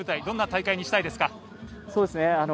どんな大会にしたいですか。